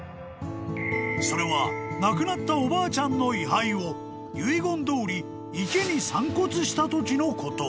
［それは亡くなったおばあちゃんの遺灰を遺言どおり池に散骨したときのこと］